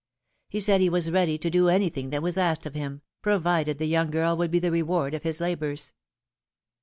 He said he was ready to do anything that was asked of him, provided the young girl would be the reward of his labors.